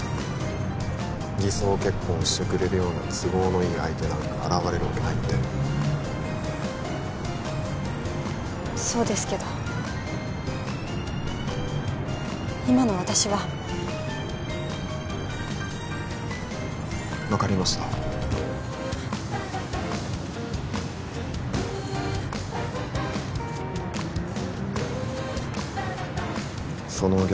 偽装結婚をしてくれるような都合のいい相手なんか現れるわけないってそうですけど今の私は分かりましたその逆